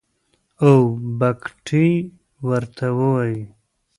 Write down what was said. او بګتۍ ورته وايي.